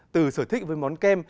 từ sở thích với món kem